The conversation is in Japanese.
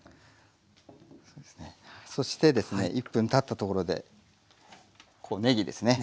そしてですね１分たったところでねぎですね。